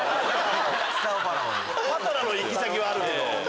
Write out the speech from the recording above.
「パトラ」の行き先はあるけど。